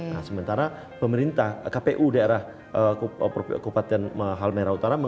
nah sementara pemerintah kpu daerah kupatan halmerah utara